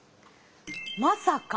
「まさか！